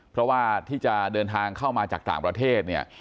เพราะว่าที่จะเดินทางเข้ามาจากต่างประเทศเนี่ย